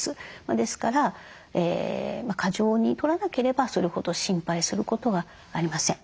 ですから過剰にとらなければそれほど心配することはありません。